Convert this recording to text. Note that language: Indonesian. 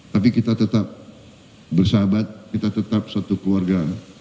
tapi kita tetap bersahabat kita tetap satu keluarga